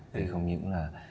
thì không những là